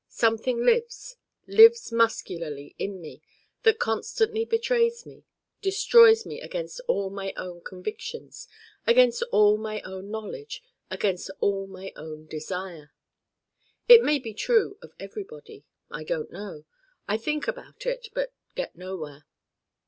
Something lives, lives muscularly in me that constantly betrays me, destroys me against all my own convictions, against all my own knowledge, against all my own desire. It may be true of Everybody. I don't know. I think about it but get nowhere.